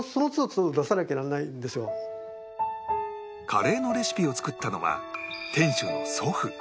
カレーのレシピを作ったのは店主の祖父